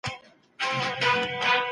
مخلوق باید تل د خپل خالق شکر ادا کړي.